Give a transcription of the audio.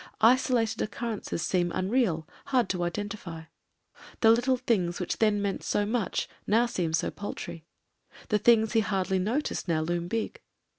Isolated occurrences seem unreal, hard to identify. The little things which then meant so much now seem so paltry ; the things he hardly noticed now loom big.